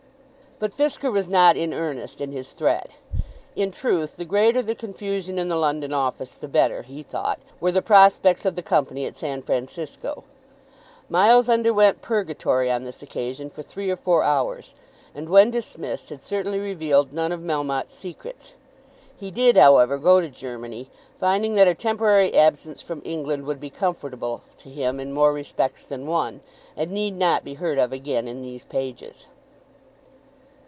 But Fisker was not in earnest in his threat. In truth the greater the confusion in the London office, the better, he thought, were the prospects of the Company at San Francisco. Miles underwent purgatory on this occasion for three or four hours, and when dismissed had certainly revealed none of Melmotte's secrets. He did, however, go to Germany, finding that a temporary absence from England would be comfortable to him in more respects than one, and need not be heard of again in these pages.